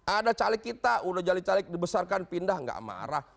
ada caleg kita udah jadi caleg dibesarkan pindah gak marah